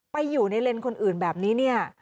ไปอยู่ในเลนคนอื่นแบบนี้